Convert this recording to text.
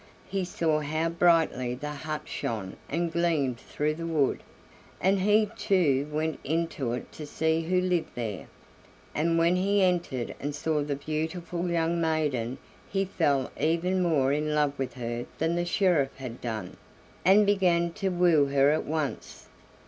He saw how brightly the hut shone and gleamed through the wood, and he too went into it to see who lived there, and when he entered and saw the beautiful young maiden he fell even more in love with her than the sheriff had done, and began to woo her at once.